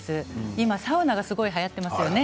今、サウナがすごくはやっていますよね。